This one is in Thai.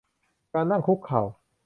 การนั่งคุกเข่า